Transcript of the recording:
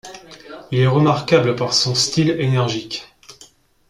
Il est remarquable par son style énergique.